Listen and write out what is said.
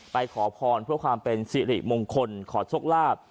ขอพรเพื่อความเป็นสิริมงคลขอโชคลาภ